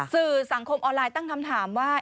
สื่อสังคมออนไลน์ตั้งคำถามว่า